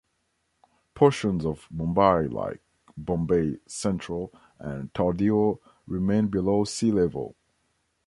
Portions of Mumbai like Bombay Central and Tardeo remain below sea level.